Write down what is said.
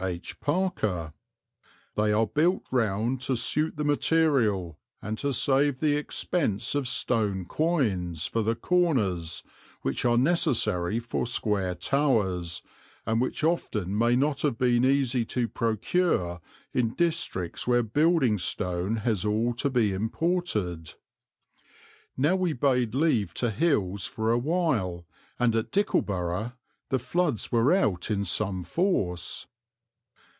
H. Parker: "They are built round to suit the material, and to save the expense of stone quoins for the corners, which are necessary for square towers, and which often may not have been easy to procure in districts where building stone has all to be imported." Now we bade leave to hills for a while, and at Dickleburgh the floods were out in some force.